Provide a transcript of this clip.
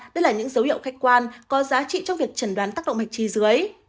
đây là những dấu hiệu khách quan có giá trị trong việc chẩn đoán tác động mạch chi dưới